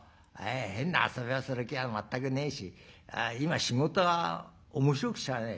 変な遊びをする気は全くねえし今仕事は面白くてしゃあねえ。